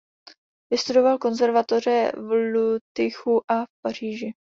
Vystudoval konzervatoře v Lutychu a Paříži.